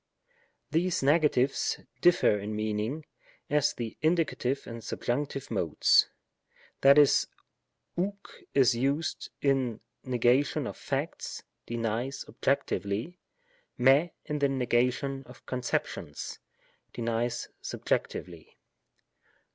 These negatives differ in meaning, as the Indie, and Subjunc. Modes ; that is, oi/^ is used in the negation of facts (denies objectively) ; fir]^ in the nega tion of conceptions (denies subjectively.)